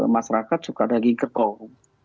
masyarakat suka daging kerbau